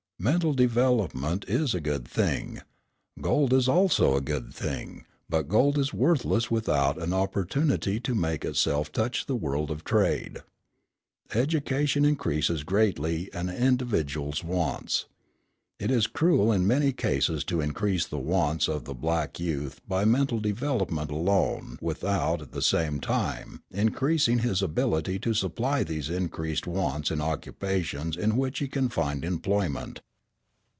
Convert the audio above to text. Mental development is a good thing. Gold is also a good thing, but gold is worthless without an opportunity to make itself touch the world of trade. Education increases greatly an individual's wants. It is cruel in many cases to increase the wants of the black youth by mental development alone without, at the same time, increasing his ability to supply these increased wants in occupations in which he can find employment.